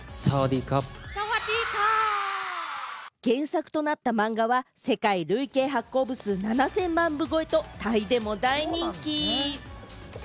原作となったマンガは世界累計発行部数７０００万部超えと、タイでも大人気！